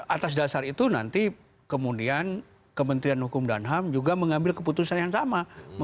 atas dasar itu nanti kemudian kementerian hukum dan ham juga mengambil keputusan yang sama